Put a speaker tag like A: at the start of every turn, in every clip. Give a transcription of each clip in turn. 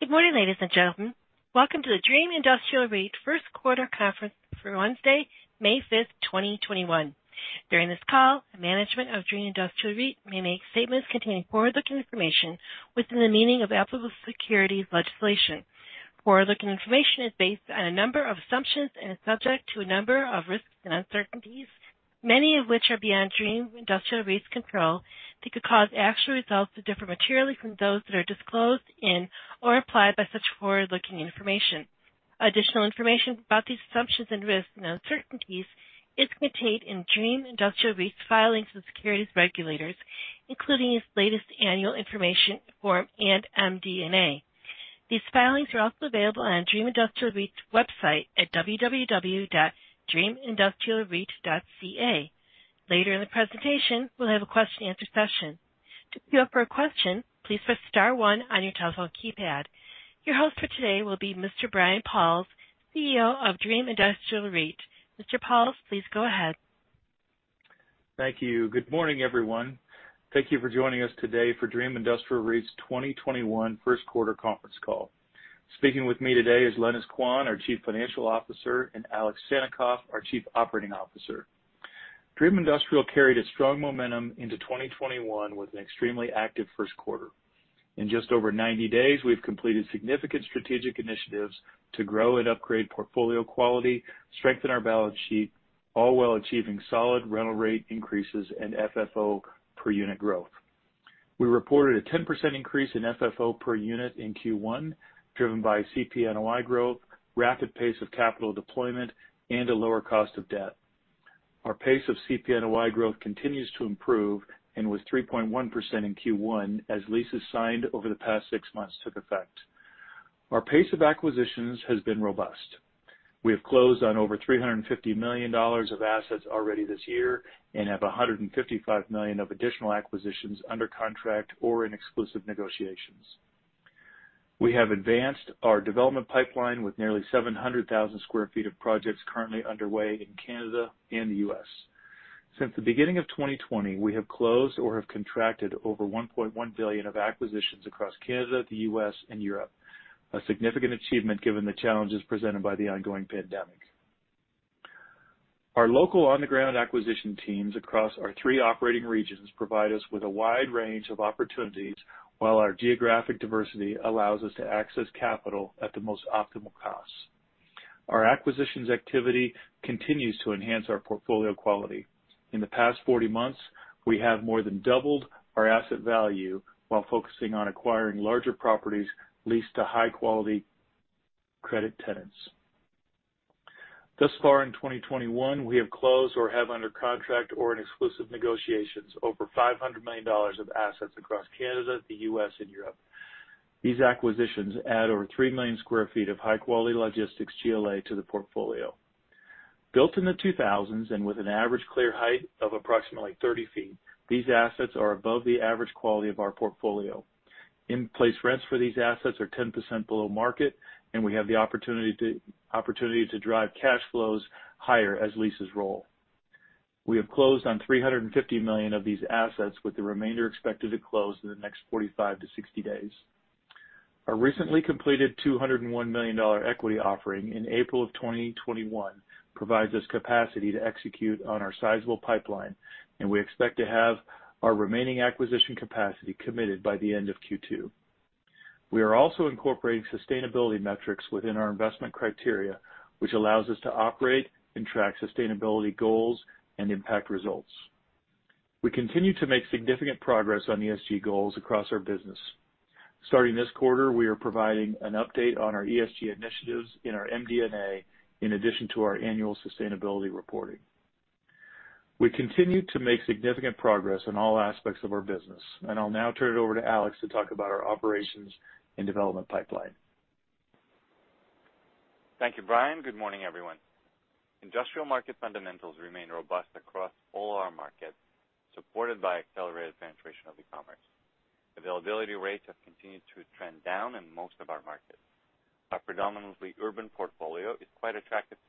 A: Good morning, ladies and gentlemen. Welcome to the Dream Industrial REIT Q1 Conference for Wednesday, May 5th, 2021. During this call, the management of Dream Industrial REIT may make statements containing forward-looking information within the meaning of applicable securities legislation. Forward-looking information is based on a number of assumptions and is subject to a number of risks and uncertainties, many of which are beyond Dream Industrial REIT's control that could cause actual results to differ materially from those that are disclosed in or implied by such forward-looking information. Additional information about these assumptions and risks and uncertainties is contained in Dream Industrial REIT's filings with securities regulators, including its latest annual information form and MD&A. These filings are also available on Dream Industrial REIT's website at www.dreamindustrialreit.ca. Later in the presentation, we'll have a question and answer session. Your host for today will be Mr. Brian Pauls, CEO of Dream Industrial REIT. Mr. Pauls, please go ahead.
B: Thank you. Good morning, everyone. Thank you for joining us today for Dream Industrial REIT's 2021 Q1 conference call. Speaking with me today is Lenis Quan, our Chief Financial Officer, and Alex Sannikov, our Chief Operating Officer. Dream Industrial carried a strong momentum into 2021 with an extremely active Q1. In just over 90 days, we've completed significant strategic initiatives to grow and upgrade portfolio quality, strengthen our balance sheet, all while achieving solid rental rate increases and FFO per unit growth. We reported a 10% increase in FFO per unit in Q1, driven by CPNOI growth, rapid pace of capital deployment, and a lower cost of debt. Our pace of CPNOI growth continues to improve and was 3.1% in Q1 as leases signed over the past six months took effect. Our pace of acquisitions has been robust. We have closed on over 350 million dollars of assets already this year and have 155 million of additional acquisitions under contract or in exclusive negotiations. We have advanced our development pipeline with nearly 700,000 sq ft of projects currently underway in Canada and the U.S. Since the beginning of 2020, we have closed or have contracted over 1.1 billion of acquisitions across Canada, the U.S., and Europe, a significant achievement given the challenges presented by the ongoing pandemic. Our local on-the-ground acquisition teams across our three operating regions provide us with a wide range of opportunities, while our geographic diversity allows us to access capital at the most optimal costs. Our acquisitions activity continues to enhance our portfolio quality. In the past 40 months, we have more than doubled our asset value while focusing on acquiring larger properties leased to high-quality credit tenants. Thus far in 2021, we have closed or have under contract or in exclusive negotiations over 500 million dollars of assets across Canada, the U.S., and Europe. These acquisitions add over 3 million sq ft of high-quality logistics GLA to the portfolio. Built in the 2000s and with an average clear height of approximately 30 feet, these assets are above the average quality of our portfolio. In-place rents for these assets are 10% below market, and we have the opportunity to drive cash flows higher as leases roll. We have closed on 350 million of these assets, with the remainder expected to close in the next 45-60 days. Our recently completed 201 million dollar equity offering in April of 2021 provides us capacity to execute on our sizable pipeline, and we expect to have our remaining acquisition capacity committed by the end of Q2. We are also incorporating sustainability metrics within our investment criteria, which allows us to operate and track sustainability goals and impact results. We continue to make significant progress on ESG goals across our business. Starting this quarter, we are providing an update on our ESG initiatives in our MD&A in addition to our annual sustainability reporting. We continue to make significant progress on all aspects of our business. I'll now turn it over to Alex to talk about our operations and development pipeline.
C: Thank you, Brian. Good morning, everyone. Industrial market fundamentals remain robust across all our markets, supported by accelerated penetration of e-commerce. Availability rates have continued to trend down in most of our markets. Our predominantly urban portfolio is quite attractive to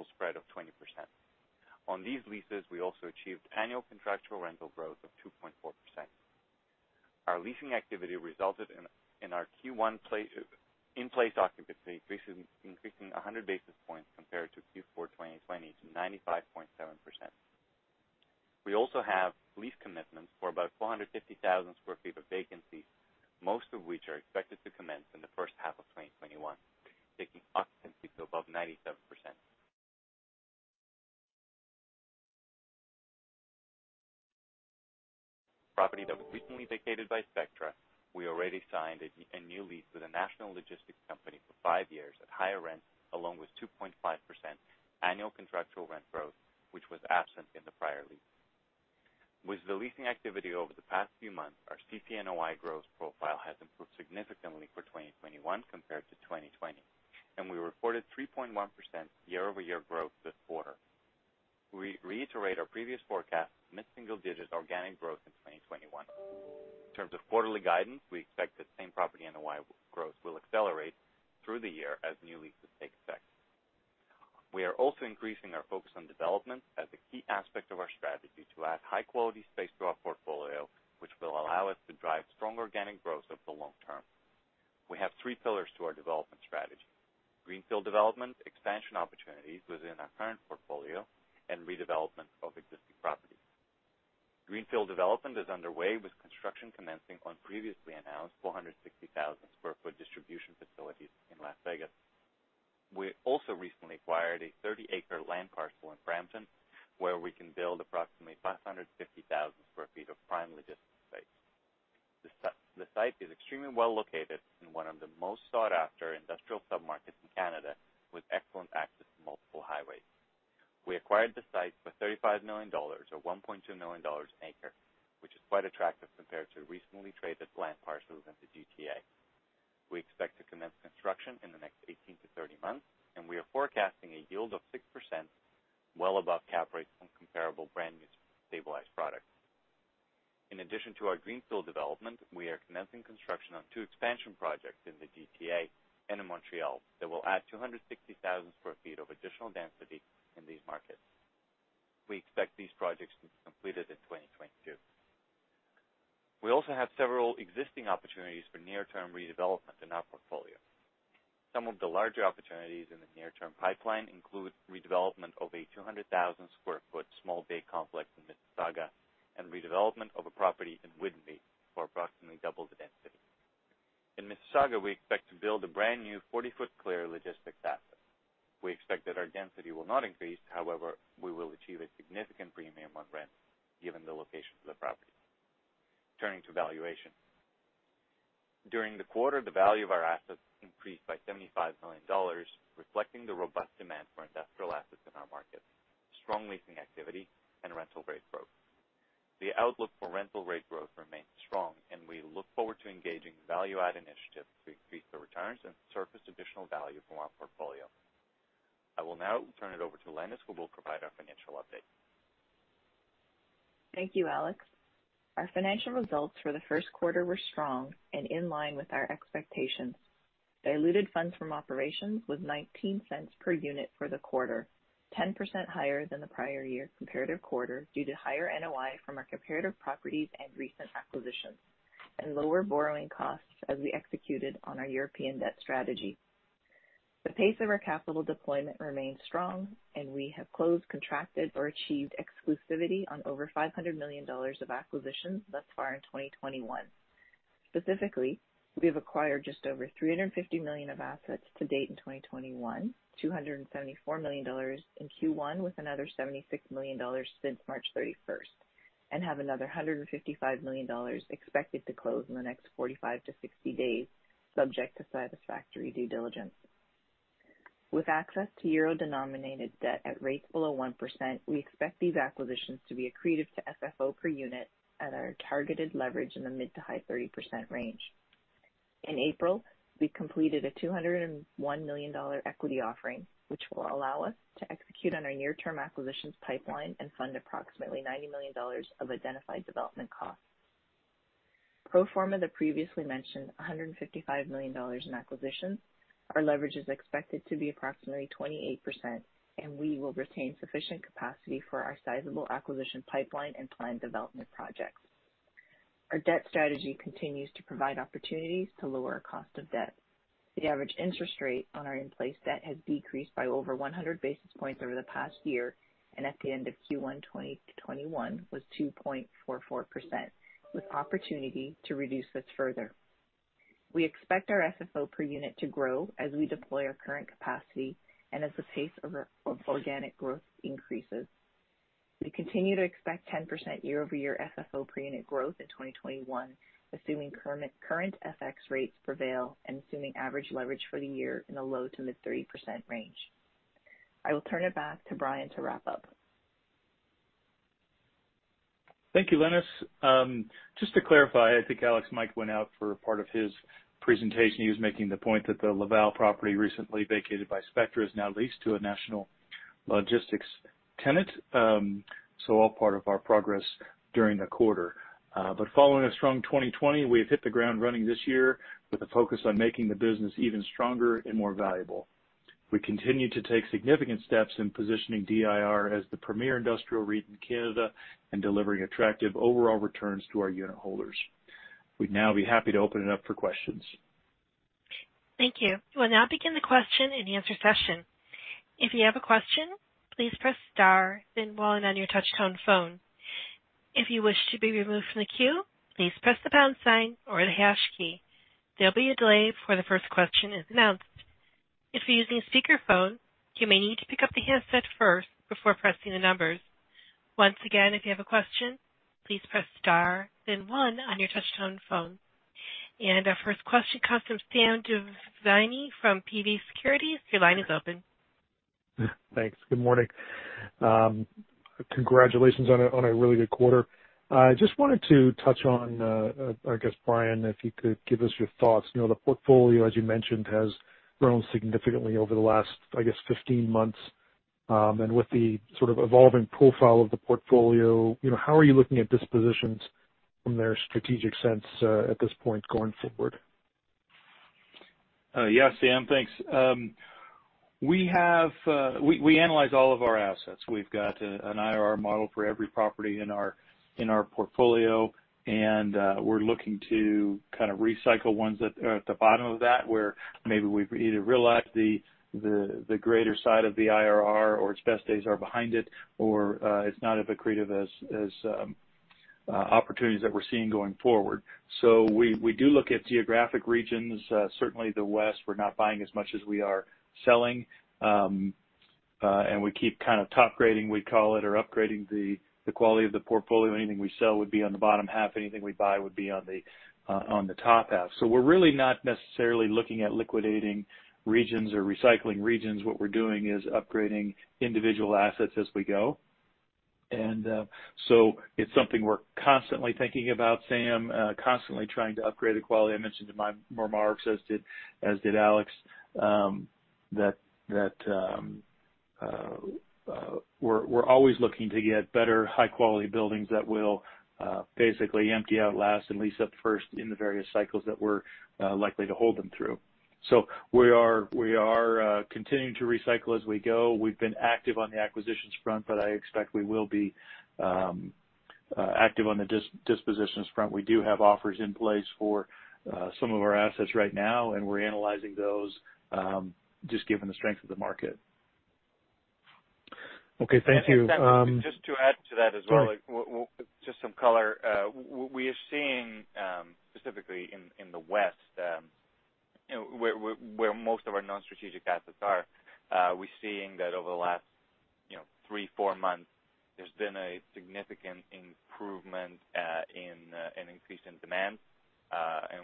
C: logistics-focused tenants, and we continue to achieve strong rental rate growth. Since the end of Q4, we have signed about 2 million sq ft of renewals and new leases at an average rental spread of 20%. On these leases, we also achieved annual contractual rental growth of 2.4%. Our leasing activity resulted in our Q1 in-place occupancy increasing 100 basis points compared to Q4 2020 to 95.7%. We also have lease commitments for about 450,000 square feet of vacancies, most of which are expected to commence in the H1 of 2021, taking occupancy to above 97%. Property that was recently vacated by Spectra, we already signed a new lease with a national logistics company for five years at higher rents, along with 2.5% annual contractual rent growth, which was absent in the prior lease. With the leasing activity over the past few months, our CPNOI growth profile has improved significantly for 2021 compared to 2020, and we reported 3.1% year-over-year growth this quarter. We reiterate our previous forecast, mid-single digit organic growth in 2021. In terms of quarterly guidance, we expect that same property NOI growth will accelerate through the year as new leases take effect. We are also increasing our focus on development as a key aspect of our strategy to add high-quality space to our portfolio, which will allow us to drive strong organic growth over the long term. We have three pillars to our development strategy: greenfield development, expansion opportunities within our current portfolio, and redevelopment of existing properties. Greenfield development is underway, with construction commencing on previously announced 460,000 sq ft distribution facilities in Las Vegas. We also recently acquired a 30-acre land parcel in Brampton, where we can build approximately 550,000 sq ft of prime logistics space. The site is extremely well located in one of the most sought-after industrial submarkets in Canada, with excellent access to multiple highways. We acquired the site for 35 million dollars, or 1.2 million dollars an acre, which is quite attractive compared to recently traded land parcels in the GTA. We expect to commence construction in the next 18-30 months. We are forecasting a yield of 6%, well above cap rates on comparable brand new stabilized products. In addition to our greenfield development, we are commencing construction on two expansion projects in the GTA and in Montreal that will add 260,000 sq ft of additional density in these markets. We expect these projects to be completed in 2022. We also have several existing opportunities for near-term redevelopment in our portfolio. Some of the larger opportunities in the near-term pipeline include redevelopment of a 200,000 sq ft small bay complex in Mississauga and redevelopment of a property in Whitby for approximately double the density. In Mississauga, we expect to build a brand-new 40-foot clear logistics asset. We expect that our density will not increase; however, we will achieve a significant premium on rent given the location of the property. Turning to valuation. During the quarter, the value of our assets increased by 75 million dollars, reflecting the robust demand for industrial assets in our market, strong leasing activity, and rental rate growth. The outlook for rental rate growth remains strong, and we look forward to engaging in value-add initiatives to increase the returns and surface additional value from our portfolio. I will now turn it over to Lenis, who will provide our financial update.
D: Thank you, Alex. Our financial results for the Q1 were strong and in line with our expectations. Diluted funds from operations was 0.19 per unit for the quarter, 10% higher than the prior year comparative quarter due to higher NOI from our comparative properties and recent acquisitions, and lower borrowing costs as we executed on our European debt strategy. The pace of our capital deployment remains strong, and we have closed, contracted, or achieved exclusivity on over 500 million dollars of acquisitions thus far in 2021. Specifically, we have acquired just over 350 million of assets to date in 2021, 274 million dollars in Q1 with another 76 million dollars since March 31st, and have another 155 million dollars expected to close in the next 45-60 days, subject to satisfactory due diligence. With access to euro-denominated debt at rates below 1%, we expect these acquisitions to be accretive to FFO per unit at our targeted leverage in the mid to high 30% range. In April, we completed a 201 million dollar equity offering, which will allow us to execute on our near-term acquisitions pipeline and fund approximately 90 million dollars of identified development costs. Pro forma the previously mentioned 155 million dollars in acquisitions, our leverage is expected to be approximately 28%, and we will retain sufficient capacity for our sizable acquisition pipeline and planned development projects. Our debt strategy continues to provide opportunities to lower our cost of debt. The average interest rate on our in-place debt has decreased by over 100 basis points over the past year, and at the end of Q1 2021 was 2.44%, with opportunity to reduce this further. We expect our FFO per unit to grow as we deploy our current capacity and as the pace of organic growth increases. We continue to expect 10% year-over-year FFO per unit growth in 2021, assuming current FX rates prevail and assuming average leverage for the year in the low to mid-30% range. I will turn it back to Brian to wrap up.
B: Thank you, Lenis. Just to clarify, I think, Alex, mic went out for part of his presentation. He was making the point that the Laval property recently vacated by Spectra is now leased to a national logistics tenant. All part of our progress during the quarter. Following a strong 2020, we've hit the ground running this year with a focus on making the business even stronger and more valuable. We continue to take significant steps in positioning DIR as the premier industrial REIT in Canada and delivering attractive overall returns to our unit holders. We'd now be happy to open it up for questions.
A: Thank you. We'll now begin the question-and-answer session. If you have a question, please press star then one on your touchtone phone. If you wish to be removed from the queue, please press the pound sign or the hash key. There'll be a delay before the first question is announced. If you're using speakerphone, you may need to pick up the handset first before pressing the numbers. Once again, if you have a question, please press star then one on your touchtone phone. Our first question comes from Sam Damiani from TD Securities. Your line is open.
E: Thanks. Good morning. Congratulations on a really good quarter. I just wanted to touch on, I guess, Brian, if you could give us your thoughts. The portfolio, as you mentioned, has grown significantly over the last, I guess, 15 months. With the sort of evolving profile of the portfolio, how are you looking at dispositions, from their strategic sense at this point going forward.
B: Yes, Sam, thanks. We analyze all of our assets. We've got an IRR model for every property in our portfolio, and we're looking to kind of recycle ones that are at the bottom of that, where maybe we've either realized the greater side of the IRR or its best days are behind it, or it's not as accretive as opportunities that we're seeing going forward. We do look at geographic regions, certainly the West, we're not buying as much as we are selling. We keep kind of top grading, we call it, or upgrading the quality of the portfolio. Anything we sell would be on the bottom half, anything we buy would be on the top half. We're really not necessarily looking at liquidating regions or recycling regions. What we're doing is upgrading individual assets as we go. It's something we're constantly thinking about, Sam, constantly trying to upgrade the quality. I mentioned to Mormar, as did Alex, that we're always looking to get better high-quality buildings that will basically empty out last and lease up first in the various cycles that we're likely to hold them through. We are continuing to recycle as we go. We've been active on the acquisitions front, but I expect we will be active on the dispositions front. We do have offers in place for some of our assets right now, and we're analyzing those, just given the strength of the market.
E: Okay, thank you.
C: Just to add to that as well.
E: Sure
C: just some color. We are seeing, specifically in the West, where most of our non-strategic assets are. We're seeing that over the last three, four months, there's been a significant improvement in an increase in demand.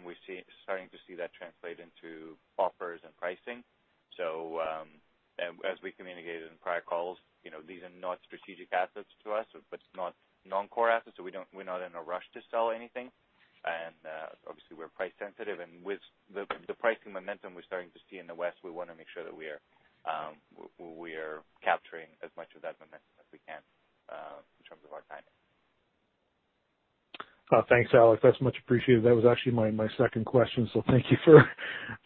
C: We're starting to see that translate into offers and pricing. As we communicated in prior calls, these are not strategic assets to us, but non-core assets, so we're not in a rush to sell anything. Obviously we're price sensitive and with the pricing momentum we're starting to see in the West, we want to make sure that we're capturing as much of that momentum as we can in terms of our timing.
E: Thanks, Alex. That's much appreciated. That was actually my second question. Thank you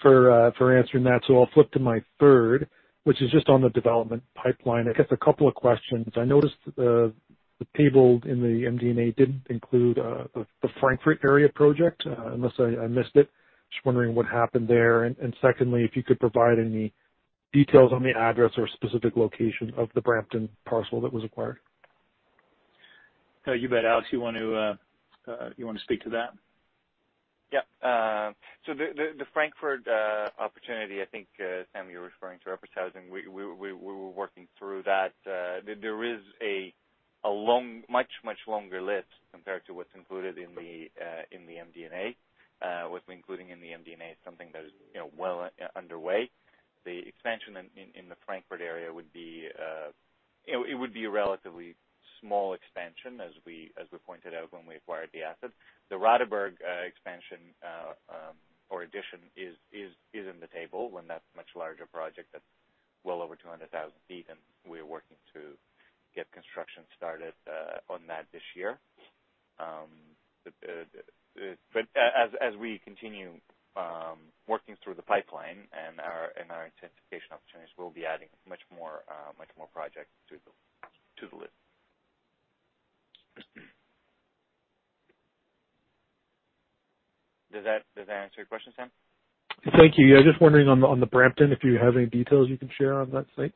E: for answering that. I'll flip to my third, which is just on the development pipeline. I guess a couple of questions. I noticed the table in the MD&A didn't include the Frankfurt area project, unless I missed it. Just wondering what happened there, and secondly, if you could provide any details on the address or specific location of the Brampton parcel that was acquired.
B: You bet. Alex, you want to speak to that?
C: Yeah. The Frankfurt opportunity, I think, Sam, you're referring to, we're working through that. There is a much, much longer list compared to what's included in the MD&A. What we're including in the MD&A is something that is well underway. The expansion in the Frankfurt area would be a relatively small expansion as we pointed out when we acquired the asset. The Rothenburg expansion or addition is in the table when that's much larger project that's well over 200,000 feet, and we're working to get construction started on that this year. As we continue working through the pipeline and our intensification opportunities, we'll be adding much more projects to the list. Does that answer your question, Sam?
E: Thank you. Yeah, just wondering on the Brampton, if you have any details you can share on that site?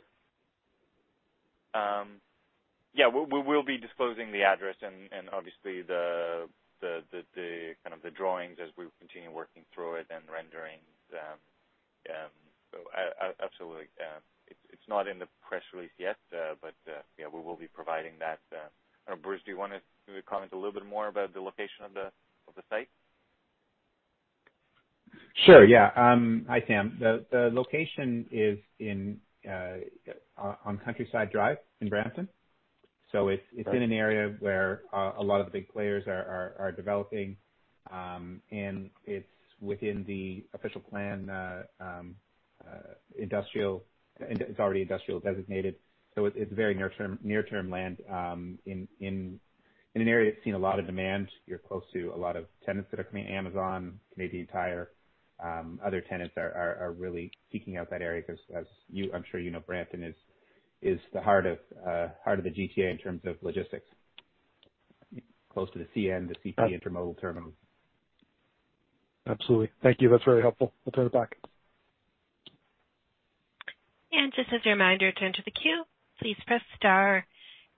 C: Yeah. We'll be disclosing the address and obviously the drawings as we continue working through it and rendering them. Absolutely. It's not in the press release yet, but we will be providing that. Bruce, do you want to comment a little bit more about the location of the site?
F: Sure, yeah. Hi, Sam. The location is on Countryside Drive in Brampton. It's in an area where a lot of the big players are developing. It's within the official plan, it's already industrial designated, so it's very near-term land in an area that's seen a lot of demand. You're close to a lot of tenants that are coming in, Amazon, Canadian Tire. Other tenants are really seeking out that area because as I'm sure you know, Brampton is the heart of the GTA in terms of logistics. Close to the CN, the CPKC Intermodal terminal.
E: Absolutely. Thank you. That's very helpful. I'll turn it back.
A: Just as a reminder, to enter the queue, please press star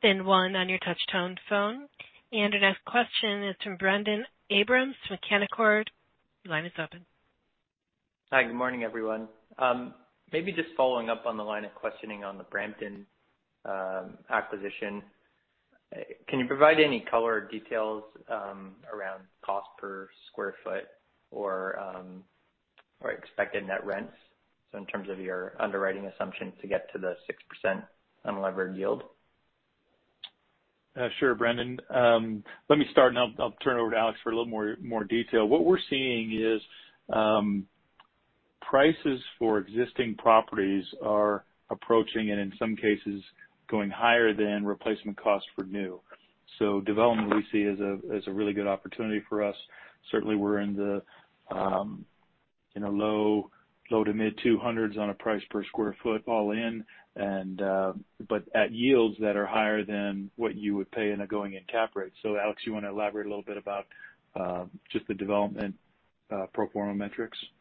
A: then one on your touch tone phone. The next question is from Brendon Abrams from Canaccord. Your line is open.
G: Hi, good morning, everyone. Maybe just following up on the line of questioning on the Brampton acquisition. Can you provide any color or details around cost per sq ft or expected net rents? In terms of your underwriting assumptions to get to the 6% unlevered yield.
B: Sure, Brendon. Let me start and I'll turn it over to Alex for a little more detail. Prices for existing properties are approaching, and in some cases, going higher than replacement costs for new. Development we see as a really good opportunity for us. Certainly, we're in the low to mid 200s on a price per sq ft all in, but at yields that are higher than what you would pay in a going-in cap rate. Alex, you want to elaborate a little bit about just the development pro forma metrics?
C: Yep.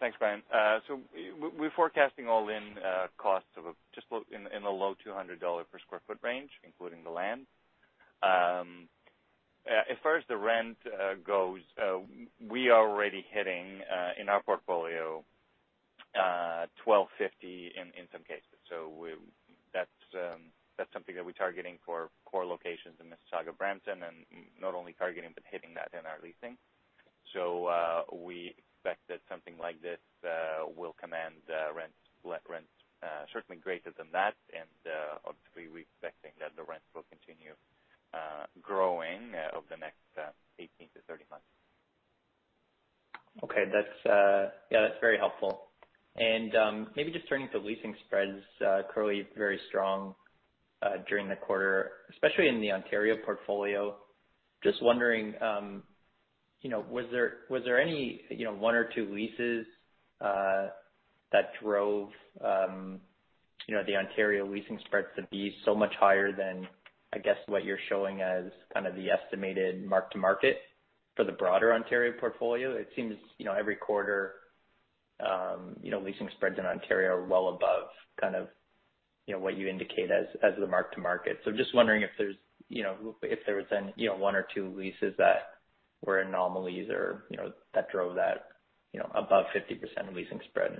C: Thanks, Brian. We're forecasting all-in costs of just in the low 200 dollars per square foot range, including the land. As far as the rent goes, we are already hitting, in our portfolio, 12.50 in some cases. That's something that we're targeting for core locations in Mississauga, Brampton, and not only targeting, but hitting that in our leasing. We expect that something like this will command rents certainly greater than that. Obviously, we're expecting that the rents will continue growing over the next 18 to 30 months.
G: Okay. That's very helpful. Maybe just turning to leasing spreads, clearly very strong during the quarter, especially in the Ontario portfolio. Just wondering, was there any one or two leases that drove the Ontario leasing spreads to be so much higher than, I guess, what you're showing as kind of the estimated mark-to-market for the broader Ontario portfolio? It seems every quarter, leasing spreads in Ontario are well above kind of what you indicate as the mark-to-market. Just wondering if there was any one or two leases that were anomalies or that drove that above 50% leasing spread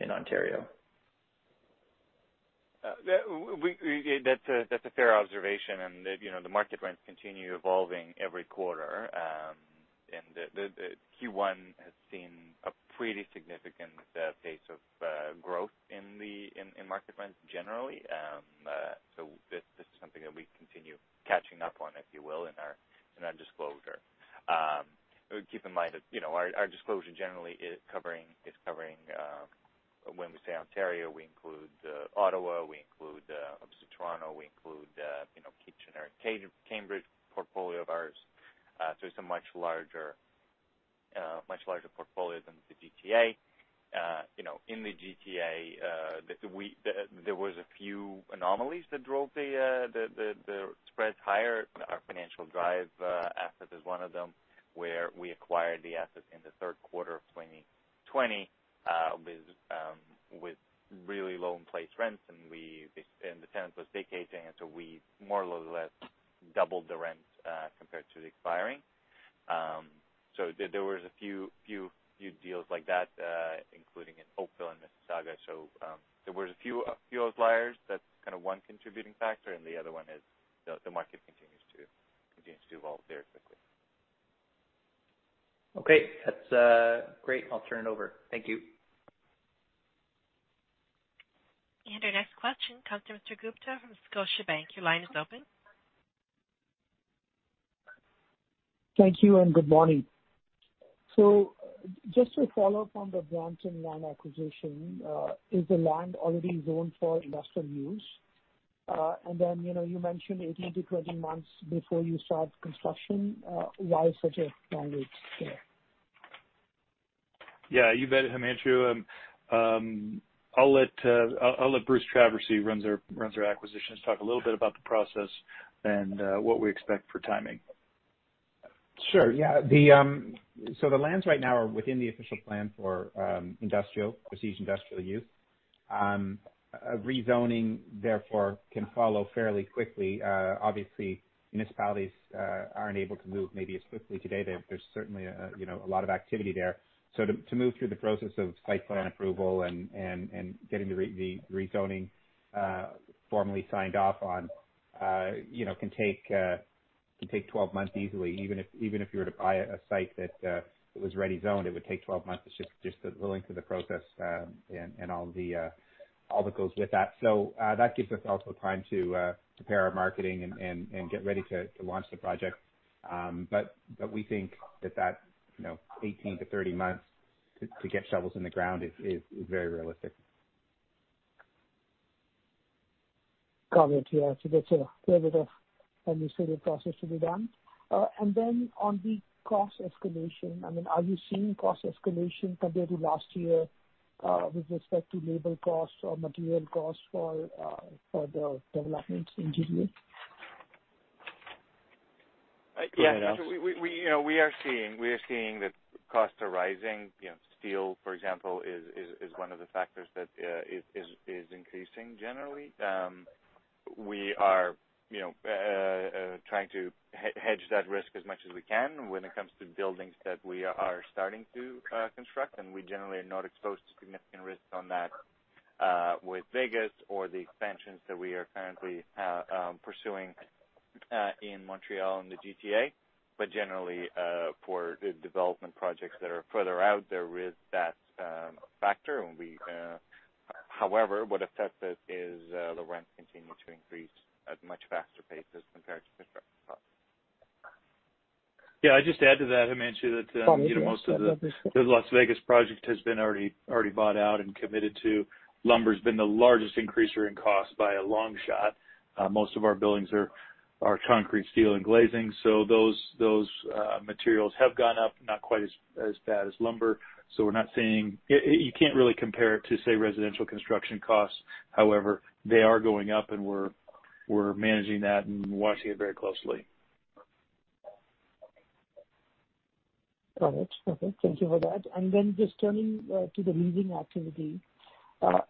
G: in Ontario.
C: That's a fair observation, and the market rents continue evolving every quarter. Q1 has seen a pretty significant pace of growth in market rents generally. This is something that we continue catching up on, if you will, in our disclosure. Keep in mind that our disclosure generally is covering, when we say Ontario, we include Ottawa, we include obviously Toronto, we include Kitchener, Cambridge portfolio of ours. It's a much larger portfolio than the GTA. In the GTA, there was a few anomalies that drove the spreads higher. Our Financial Drive asset is one of them, where we acquired the asset in the Q3 of 2020 with really low in-place rents, and the tenant was vacating, and so we more or less doubled the rent compared to the expiring. There was a few deals like that including in Oakville and Mississauga. There was a few outliers. That's kind of one contributing factor, and the other one is the market continues to evolve very quickly.
G: Okay. That's great. I'll turn it over. Thank you.
A: Our next question comes from Himanshu Gupta from Scotiabank. Your line is open.
H: Thank you, and good morning. Just to follow up on the Brampton land acquisition, is the land already zoned for industrial use? You mentioned 18-20 months before you start construction. Why such a long wait there?
B: You bet, Himanshu. I'll let Bruce Traversy, runs our acquisitions, talk a little bit about the process and what we expect for timing.
F: Sure. Yeah. The lands right now are within the official plan for prestige industrial use. Rezoning, therefore, can follow fairly quickly. Obviously, municipalities aren't able to move maybe as quickly today. There's certainly a lot of activity there. To move through the process of site plan approval and getting the rezoning formally signed off on can take 12 months easily. Even if you were to buy a site that was already zoned, it would take 12 months. It's just the length of the process, and all that goes with that. That gives us also time to prepare our marketing and get ready to launch the project. We think that that 18-30 months to get shovels in the ground is very realistic.
H: Got it. Yeah. There's a fair bit of administrative process to be done. Then on the cost escalation, are you seeing cost escalation compared to last year with respect to labor costs or material costs for the developments in GTA?
C: Yeah. We are seeing that costs are rising. Steel, for example, is one of the factors that is increasing generally. We are trying to hedge that risk as much as we can when it comes to buildings that we are starting to construct, and we generally are not exposed to significant risks on that with vacancies or the expansions that we are currently pursuing in Montreal and the GTA. Generally, for the development projects that are further out, after we, however, what affects it is the rent continuing to increase at much faster paces compared to construction costs.
F: Yeah. I'd just add to that, Himanshu, that.
H: Sorry, Bruce. most of the Las Vegas project has been already bought out and committed to. Lumber's been the largest increaser in cost by a long shot. Most of our buildings are concrete, steel, and glazing. Those materials have gone up, not quite as bad as lumber. You can't really compare it to, say, residential construction costs. However, they are going up, and we're managing that and watching it very closely. Got it. Okay. Thank you for that. Just turning to the leasing activity.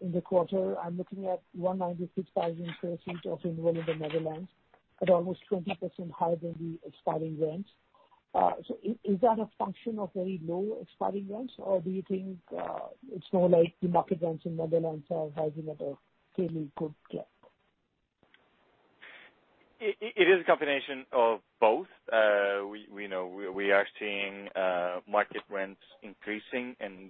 H: In the quarter, I'm looking at 196,000 sq ft of renewal in the Netherlands at almost 20% higher than the expiring rents. Is that a function of very low expiring rents, or do you think it's more like the market rents in Netherlands are rising at a fairly good clip?
C: It is a combination of both. We are seeing market rents increasing, and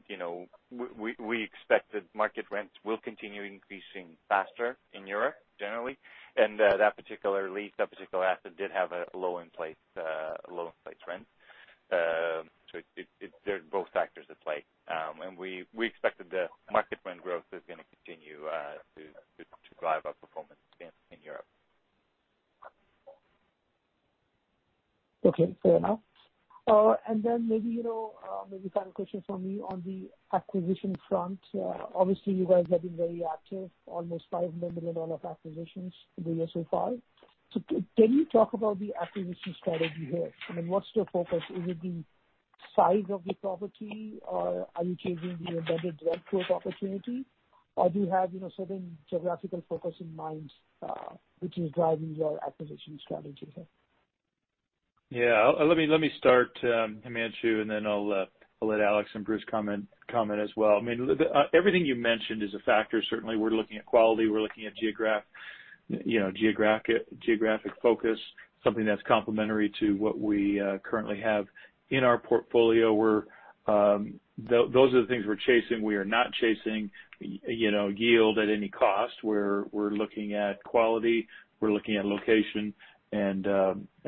C: we expect that market rents will continue increasing faster in Europe generally. That particular lease, that particular asset did have a low in place rent. There's both factors at play. We expected the market rent growth is going to continue to drive our performance in Europe.
H: Okay. Fair enough. Maybe a final question from me on the acquisition front. Obviously, you guys have been very active, almost 500 million dollar of acquisitions in the year so far. Can you talk about the acquisition strategy here? I mean, what's your focus? Is it the size of the property, or are you chasing the embedded rent growth opportunity, or do you have certain geographical focus in mind, which is driving your acquisition strategy here?
B: Yeah. Let me start, Himanshu, then I'll let Alex and Bruce comment as well. Everything you mentioned is a factor. Certainly, we're looking at quality. We're looking at geographic focus, something that's complementary to what we currently have in our portfolio. Those are the things we're chasing. We are not chasing yield at any cost. We're looking at quality, we're looking at location, and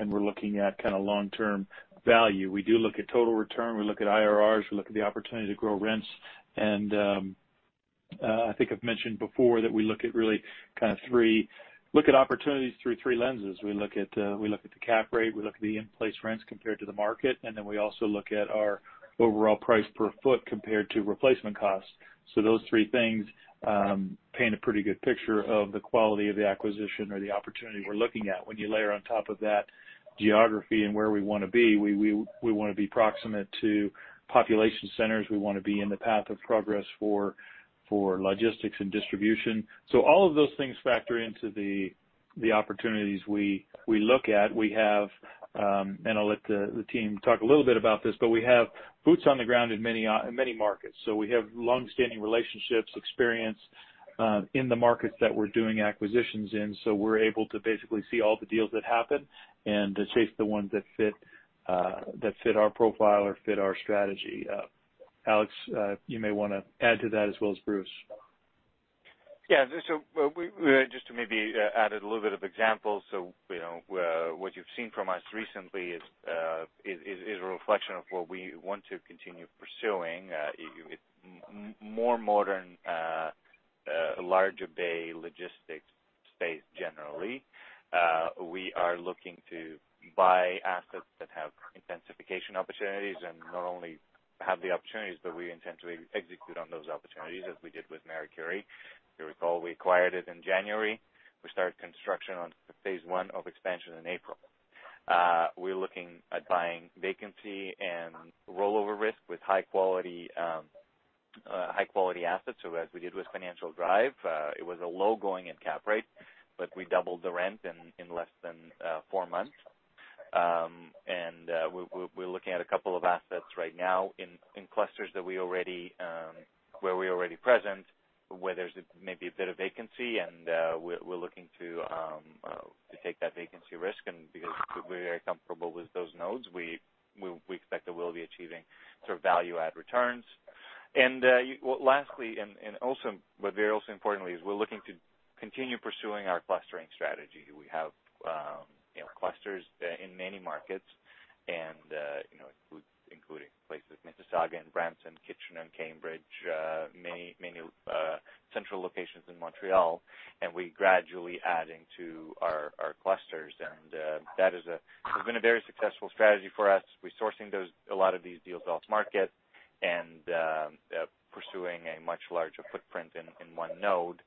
B: we're looking at long-term value. We do look at total return. We look at IRRs. We look at the opportunity to grow rents. I think I've mentioned before that we look at opportunities through three lenses. We look at the cap rate, we look at the in-place rents compared to the market, then we also look at our overall price per foot compared to replacement costs. Those three things paint a pretty good picture of the quality of the acquisition or the opportunity we're looking at. When you layer on top of that geography and where we want to be, we want to be proximate to population centers. We want to be in the path of progress for logistics and distribution. All of those things factor into the opportunities we look at. I'll let the team talk a little bit about this, but we have boots on the ground in many markets. We have longstanding relationships, experience, in the markets that we're doing acquisitions in. We're able to basically see all the deals that happen and to chase the ones that fit our profile or fit our strategy. Alex, you may want to add to that as well as Bruce.
C: Yeah. Just to maybe add a little bit of examples. What you've seen from us recently is a reflection of what we want to continue pursuing. More modern, larger bay logistics space generally. We are looking to buy assets that have intensification opportunities and not only have the opportunities, but we intend to execute on those opportunities as we did with 401 Marie-Curie. If you recall, we acquired it in January. We started construction on phase I of expansion in April. We're looking at buying vacancy and rollover risk with high-quality assets. As we did with Financial Drive. It was a low going in cap rate, but we doubled the rent in less than four months. We're looking at a couple of assets right now in clusters where we're already present, where there's maybe a bit of vacancy, and we're looking to take that vacancy risk. Because we're very comfortable with those nodes, we expect that we'll be achieving sort of value add returns. Lastly, but very also importantly, is we're looking to continue pursuing our clustering strategy. We have clusters in many markets including places Mississauga and Brampton, Kitchener and Cambridge, many central locations in Montreal, and we're gradually adding to our clusters. That has been a very successful strategy for us. We're sourcing a lot of these deals off market and pursuing a much larger footprint in one node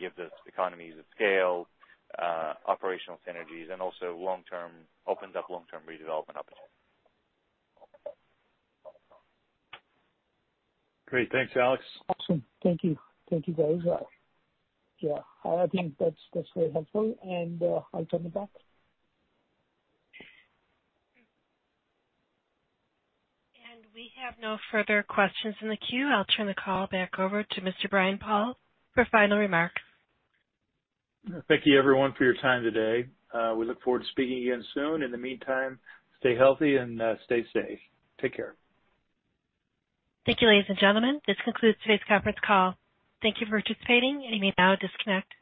C: gives us economies of scale, operational synergies, and also opens up long-term redevelopment opportunities.
B: Great. Thanks, Alex.
H: Awesome. Thank you. Thank you, guys. Yeah, I think that's very helpful, and I'll turn it back.
A: We have no further questions in the queue. I'll turn the call back over to Mr. Brian Pauls for final remarks.
B: Thank you everyone for your time today. We look forward to speaking again soon. In the meantime, stay healthy and stay safe. Take care.
A: Thank you, ladies and gentlemen. This concludes today's conference call. Thank you for participating. You may now disconnect.